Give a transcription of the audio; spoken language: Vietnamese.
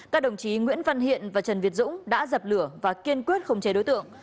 các đồng chí nguyễn văn hiện và trần việt dũng đã dập lửa và kiên quyết không chế đối tượng